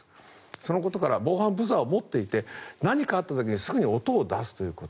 そのことから防犯ブザーを持っていて何かあった時にすぐに音を出すということ。